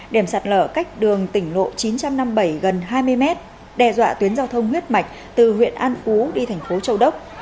điểm sạt lở cách đường tỉnh lộ chín trăm năm mươi bảy gần hai mươi mét đe dọa tuyến giao thông huyết mạch từ huyện an phú đi thành phố châu đốc